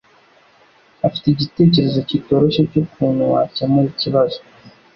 afite igitekerezo kitoroshye cyukuntu wakemura ikibazo